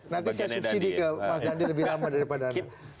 nanti saya subsidi ke mas dandi lebih lama